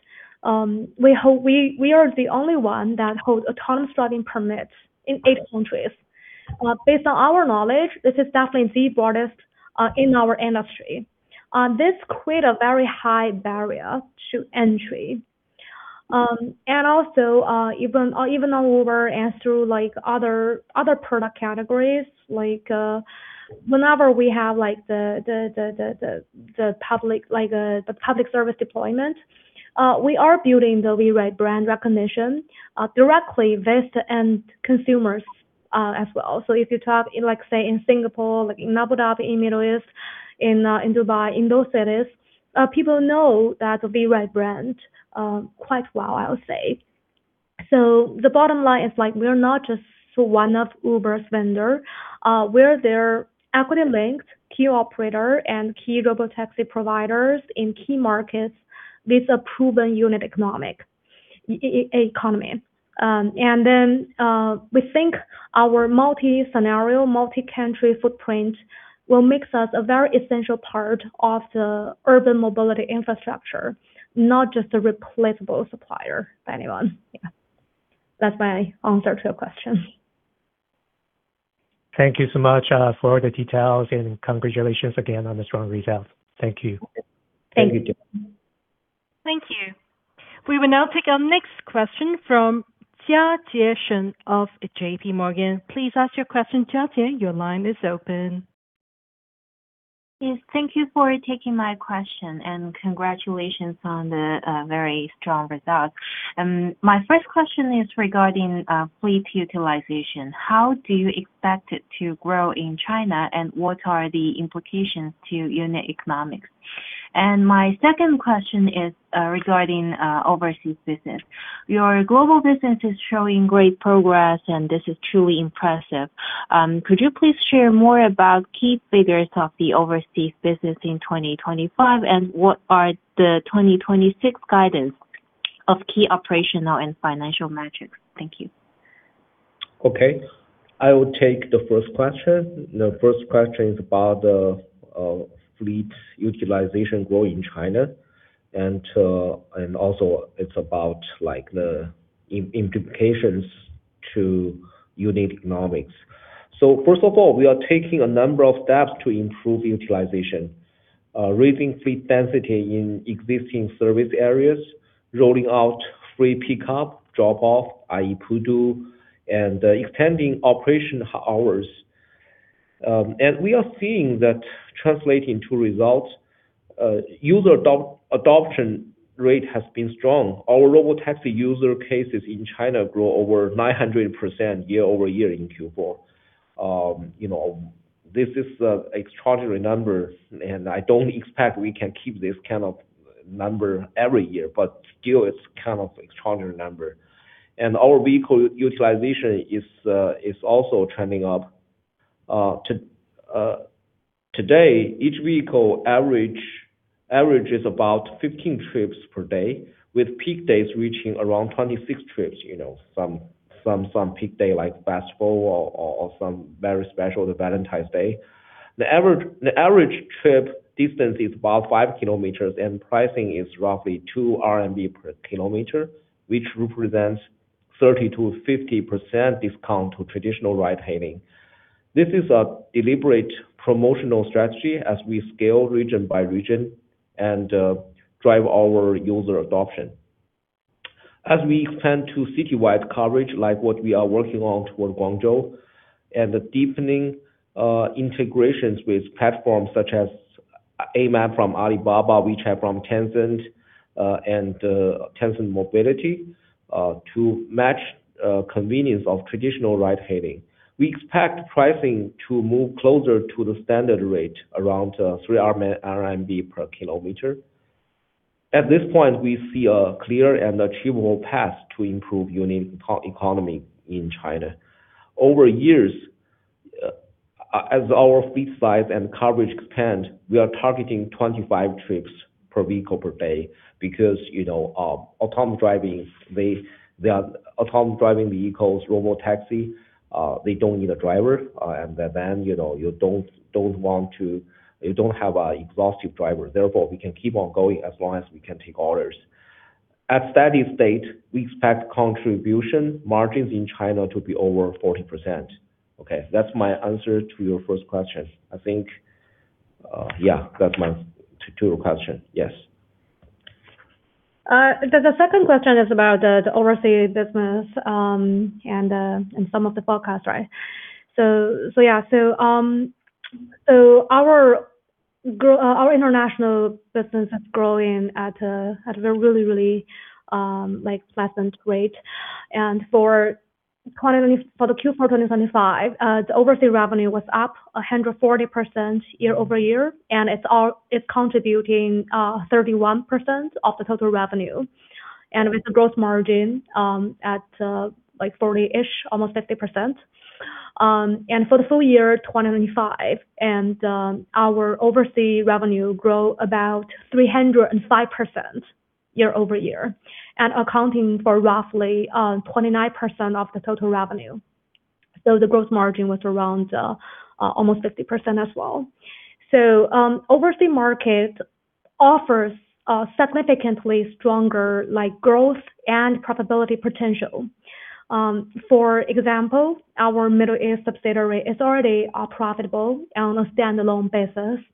we are the only one that holds autonomous driving permits in eight countries. Based on our knowledge, this is definitely the broadest in our industry. This create a very high barrier to entry. And also, even on Uber and through like other product categories, like, whenever we have like the public service deployment, we are building the WeRide brand recognition directly with end consumers, as well. If you talk in, like, say in Singapore, like in Abu Dhabi, in Middle East, in Dubai, in those cities, people know that WeRide brand quite well, I would say. The bottom line is like, we're not just one of Uber's vendor, we're their equity linked key operator and key Robotaxi providers in key markets with a proven unit economics. We think our multi-scenario, multi-country footprint will makes us a very essential part of the urban mobility infrastructure, not just a replaceable supplier to anyone. Yeah. That's my answer to your question. Thank you so much for the details, and congratulations again on the strong results. Thank you. Thank you. Thank you, Jen. Thank you. We will now take our next question from Jiajie Shen of JP Morgan. Please ask your question, Jiajie. Your line is open. Yes, thank you for taking my question, and congratulations on the very strong results. My first question is regarding fleet utilization. How do you expect it to grow in China, and what are the implications to unit economics? My second question is regarding overseas business. Your global business is showing great progress, and this is truly impressive. Could you please share more about key figures of the overseas business in 2025, and what are the 2026 guidance of key operational and financial metrics? Thank you. Okay. I will take the first question. The first question is about the fleet utilization growth in China. It's about like the implications to unit economics. First of all, we are taking a number of steps to improve utilization. Raising fleet density in existing service areas, rolling out free pickup, drop off, i.e. P2P, and extending operation hours. We are seeing that translating to results. User adoption rate has been strong. Our Robotaxi use cases in China grow over 900% year-over-year in Q4. You know, this is an extraordinary number, and I don't expect we can keep this kind of number every year, but still, it's kind of extraordinary number. Our vehicle utilization is also trending up. Today, each vehicle averages about 15 trips per day, with peak days reaching around 26 trips, you know, some peak day like festival or some very special, the Valentine's Day. The average trip distance is about 5 km, and pricing is roughly 2 RMB per km, which represents 30%-50% discount to traditional ride hailing. This is a deliberate promotional strategy as we scale region by region and drive our user adoption. As we expand to citywide coverage, like what we are working on toward Guangzhou, and the deepening integrations with platforms such as Amap from Alibaba, WeChat from Tencent, and Tencent Mobility, to match convenience of traditional ride hailing. We expect pricing to move closer to the standard rate around 3 RMB per km. At this point, we see a clear and achievable path to improve unit economics in China. Over years, as our fleet size and coverage expand, we are targeting 25 trips per vehicle per day because, you know, autonomous driving, they are autonomous driving vehicles, Robotaxi, they don't need a driver. And the van, you know, you don't have an exhausted driver. Therefore, we can keep on going as long as we can take orders. At steady state, we expect contribution margins in China to be over 40%. Okay. That's my answer to your first question. I think, yeah, that's my answer to your second question. Yes. The second question is about the overseas business and some of the forecast, right? Our international business is growing at a really like pleasant rate. For the Q4 of 2025, the overseas revenue was up 140% year-over-year, and it's contributing 31% of the total revenue. With the growth margin at like 40-ish, almost 50%. For the full year 2025, our overseas revenue grow about 305% year-over-year, and accounting for roughly 29% of the total revenue. The growth margin was around almost 50% as well. Overseas market offers a significantly stronger like growth and profitability potential. For example, our Middle East subsidiary is already profitable on a standalone basis.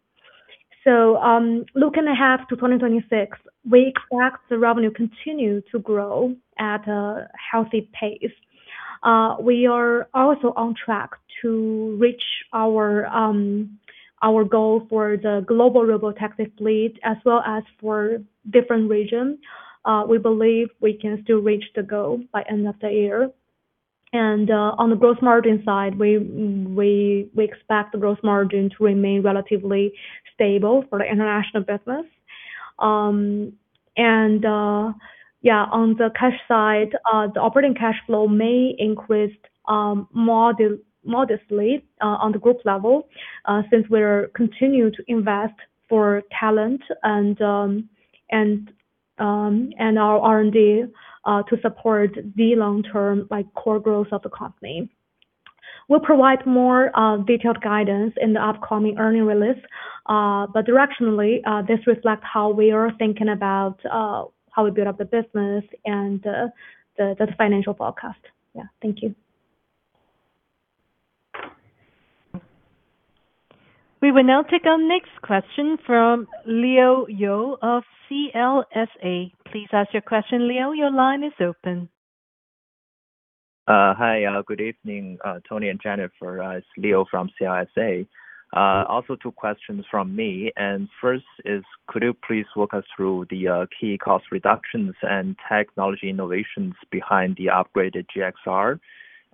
Looking ahead to 2026, we expect the revenue continue to grow at a healthy pace. We are also on track to reach our goal for the global Robotaxi fleet as well as for different region. We believe we can still reach the goal by end of the year. On the growth margin side, we expect the growth margin to remain relatively stable for the international business. On the cash side, the operating cash flow may increase modestly on the group level, since we're continue to invest for talent and our R&D to support the long-term, like, core growth of the company. We'll provide more detailed guidance in the upcoming earnings release. Directionally, this reflects how we are thinking about how we build up the business and the financial forecast. Yeah. Thank you. We will now take our next question from Leo You of CLSA. Please ask your question, Leo. Your line is open. Hi. Good evening, Tony and Jennifer. It's Leo from CLSA. Also two questions from me. First is could you please walk us through the key cost reductions and technology innovations behind the upgraded GXR?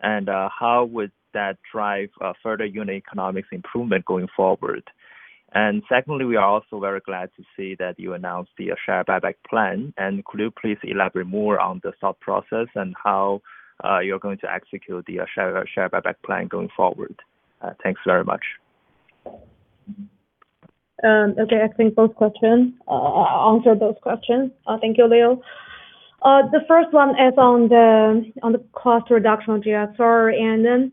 How would that drive further unit economics improvement going forward? Secondly, we are also very glad to see that you announced the share buyback plan. Could you please elaborate more on the thought process and how you're going to execute the share buyback plan going forward? Thanks very much. Okay. I'll answer both questions. Thank you, Leo. The first one is on the cost reduction on GXR.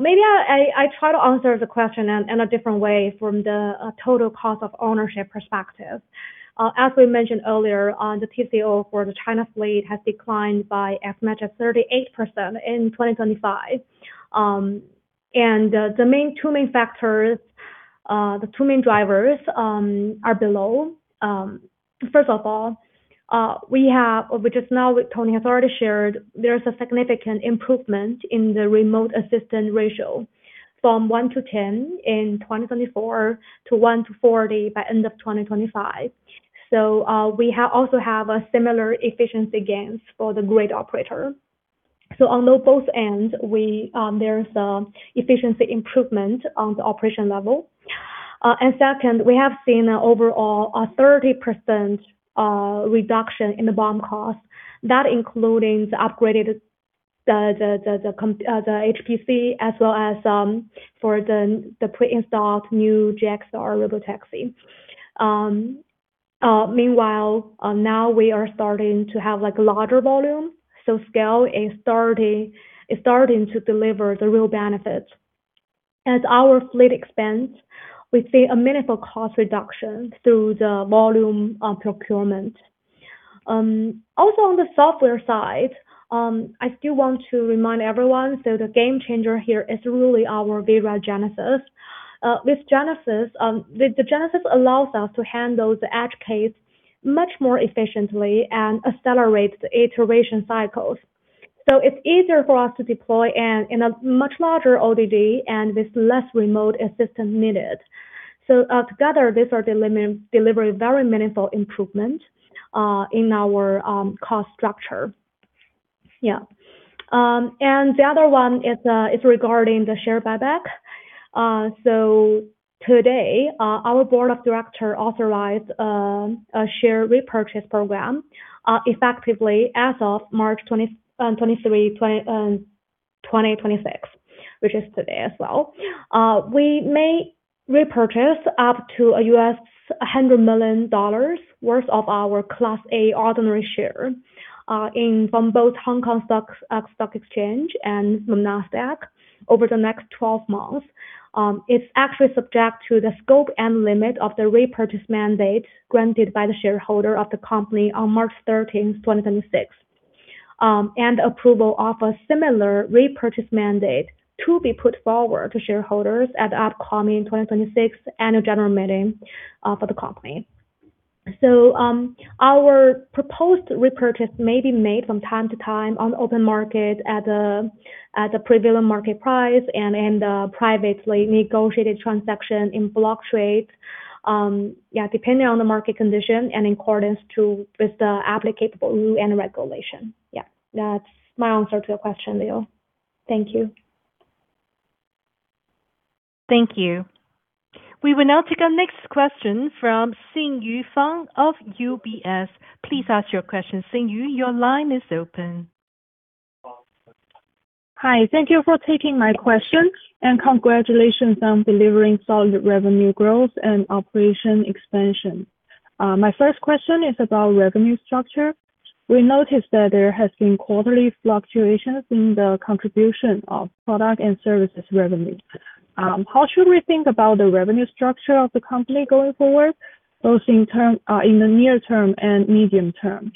Maybe I try to answer the question in a different way from the total cost of ownership perspective. As we mentioned earlier, the TCO for the China fleet has declined by as much as 38% in 2025. The two main drivers are below. First of all, which is now what Tony has already shared, there's a significant improvement in the remote assistant ratio from one to 10 in 2024 to one to 40 by end of 2025. We also have similar efficiency gains for the grid operator. On both ends, we, there's an efficiency improvement on the operation level. Second, we have seen an overall 30% reduction in the BOM cost. That including the upgraded HPC as well as for the pre-installed new GXR Robotaxi. Meanwhile, now we are starting to have like larger volume, scale is starting to deliver the real benefits. As our fleet expands, we see a meaningful cost reduction through the volume of procurement. Also on the software side, I still want to remind everyone, the game changer here is really our WeRide GENESIS. With GENESIS allows us to handle the edge case much more efficiently and accelerates the iteration cycles. It's easier for us to deploy and in a much larger ODD and with less remote assistance needed. Together, these are delivering very meaningful improvement in our cost structure. Yeah. The other one is regarding the share buyback. Today, our board of directors authorized a share repurchase program, effectively as of March 20, 2026, which is today as well. We may repurchase up to $100 million worth of our Class A ordinary shares from both Hong Kong Stock Exchange and NASDAQ over the next 12 months. It's actually subject to the scope and limit of the repurchase mandate granted by the shareholder of the company on March 13, 2026, and approval of a similar repurchase mandate to be put forward to shareholders at upcoming 2026 Annual General Meeting for the company. Our proposed repurchase may be made from time to time on open market at a prevailing market price and in the privately negotiated transaction in block trades, depending on the market condition and in accordance with the applicable rule and regulation. That's my answer to your question, Leo. Thank you. Thank you. We will now take our next question from Xinyu Fang of UBS. Please ask your question. Xinyu, your line is open. Hi. Thank you for taking my question, and congratulations on delivering solid revenue growth and operation expansion. My first question is about revenue structure. We noticed that there has been quarterly fluctuations in the contribution of product and services revenue. How should we think about the revenue structure of the company going forward, both in the near term and medium term?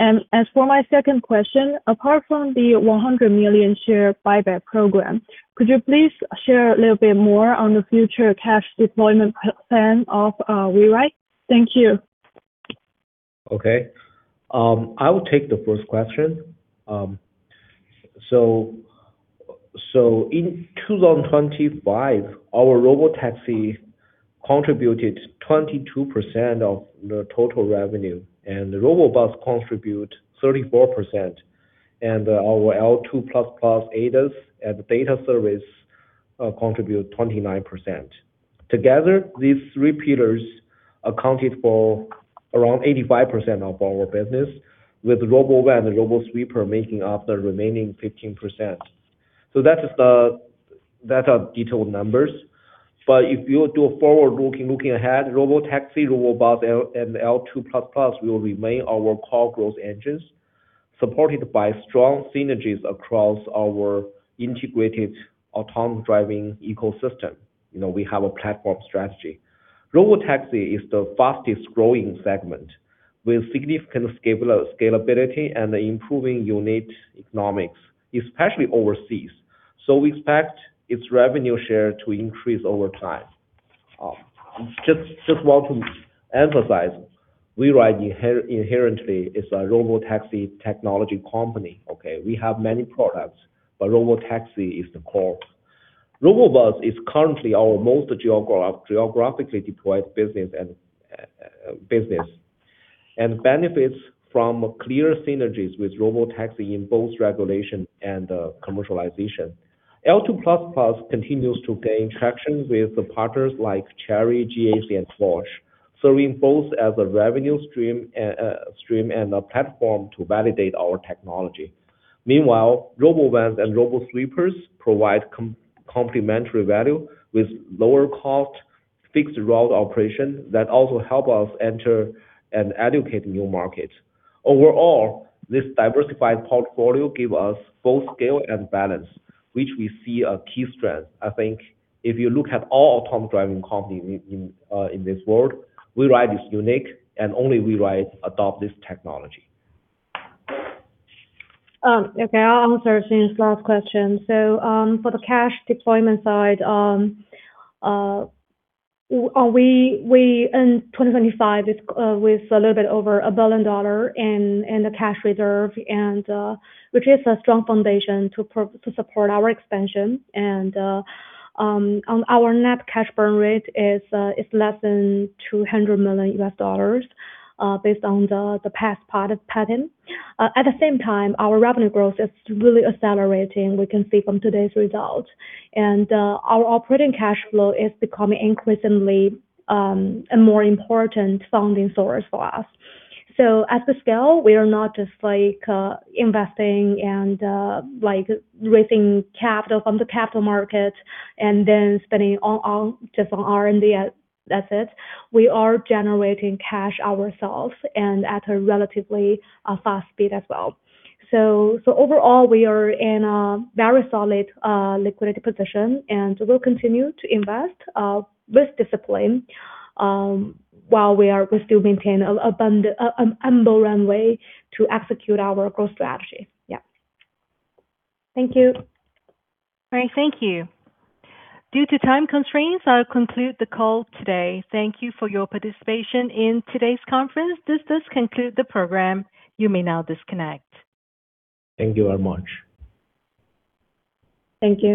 As for my second question, apart from the 100 million share buyback program, could you please share a little bit more on the future cash deployment plan of WeRide? Thank you. Okay. I will take the first question. In 2025, our Robotaxi contributed 22% of the total revenue, and the Robobus contribute 34%. Our L2++ ADAS and data service contribute 29%. Together, these three pillars accounted for around 85% of our business, with Robovan and Robosweeper making up the remaining 15%. Those are the detailed numbers. If you do a forward-looking ahead, Robotaxi, Robobus, L2, and L2++ will remain our core growth engines, supported by strong synergies across our integrated autonomous driving ecosystem. You know, we have a platform strategy. Robotaxi is the fastest growing segment with significant scalability and improving unit economics, especially overseas. We expect its revenue share to increase over time. Just want to emphasize, WeRide inherently is a Robotaxi technology company, okay? We have many products, but Robotaxi is the core. Robobus is currently our most geographically deployed business and benefits from clear synergies with Robotaxi in both regulation and commercialization. L2++ continues to gain traction with the partners like Chery, GAC, and Bosch, serving both as a revenue stream and a platform to validate our technology. Meanwhile, Robovans and Robosweepers provide complementary value with lower cost fixed route operation that also help us enter and educate new markets. Overall, this diversified portfolio give us both scale and balance, which we see a key strength. I think if you look at all autonomous driving company in this world, WeRide is unique, and only WeRide adopt this technology. Okay, I'll answer Xinyu's last question. For the cash deployment side, we end 2025 with a little bit over RMB 1 billion in the cash reserve, which is a strong foundation to support our expansion. Our net cash burn rate is less than RMB 200 million, based on the past pattern. At the same time, our revenue growth is really accelerating, we can see from today's results. Our operating cash flow is becoming increasingly a more important funding source for us. At the scale, we are not just like investing and like raising capital from the capital markets and then spending all just on R&D, that's it. We are generating cash ourselves and at a relatively fast speed as well. Overall, we are in a very solid liquidity position, and we'll continue to invest with discipline while we still maintain an ample runway to execute our growth strategy. Yeah. Thank you. All right. Thank you. Due to time constraints, I'll conclude the call today. Thank you for your participation in today's conference. This does conclude the program. You may now disconnect. Thank you very much. Thank you.